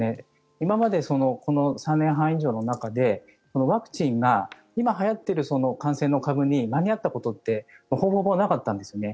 今まで、この３年半以上の中でワクチンが今はやっている感染の株に間に合ったことってほぼほぼなかったんですね。